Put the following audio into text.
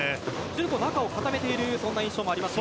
中を固めている印象もありますが。